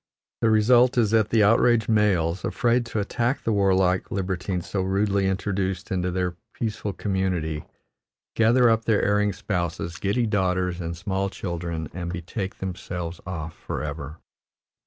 The result is that the outraged males, afraid to attack the warlike libertine so rudely introduced into their peaceful community, gather up their erring spouses, giddy daughters, and small children and betake themselves off forever.